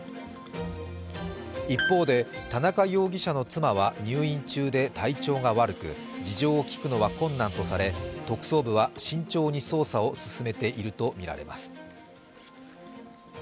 一方で田中容疑者の妻は入院中で体調が悪く事情を聴くのは困難とされ特捜部は慎重に捜査を進めているとみられます。